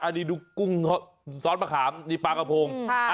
อันนี้ดูกุ้งซอสมะขามนี่ปลากระพง